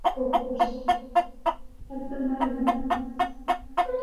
পাগল হয়ে বকবক করছে।